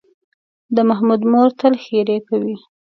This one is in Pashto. د محمود مور تل ښېرې کوي.